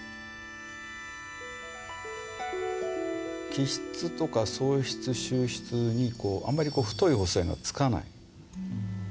起筆とか送筆収筆にこうあんまり太い細いがつかない。